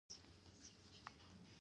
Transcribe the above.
افغان اتلان په بهرنیو لیګونو کې لوبیږي.